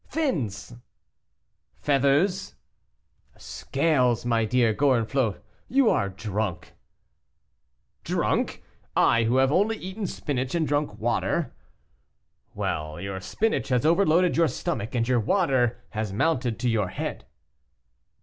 "Fins!" "Feathers?" "Scales, my dear Gorenflot, you are drunk." "Drunk! I, who have only eaten spinach and drunk water?" "Well, your spinach has overloaded your stomach, and your water has mounted to your head."